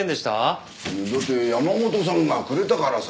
だって山本さんがくれたからさ。